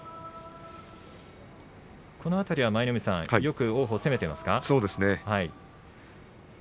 この辺りは王鵬はよく攻めていますか。